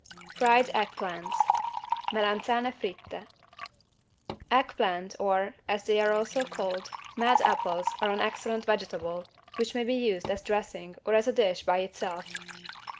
100 FRIED EGG PLANTS (Melanzane fritte) Egg plant or, as they are also called, mad apples are an excellent vegetable which may be used as dressing or as a dish by itself.